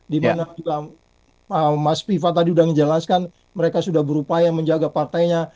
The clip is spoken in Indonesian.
dimana juga mas viva tadi sudah menjelaskan mereka sudah berupaya menjaga partainya